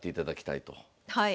はい。